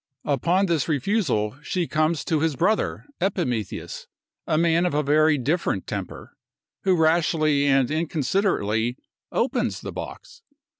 Upon this refusal, she comes to his brother Epimetheus, a man of a very different temper, who rashly and inconsiderately opens the box.